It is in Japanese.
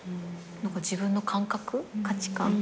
自分の感覚価値観？